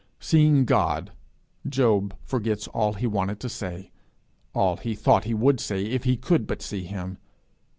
Seeing God, Job forgets all he wanted to say, all he thought he would say if he could but see him.